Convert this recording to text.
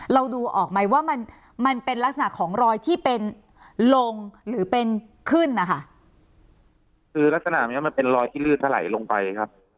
เราดูออกไหมว่ามันมันเป็นลักษณะของรอยที่เป็นลงหรือเป็นขึ้นนะคะคือลักษณะเนี้ยมันเป็นรอยที่ลืดถลายลงไปครับ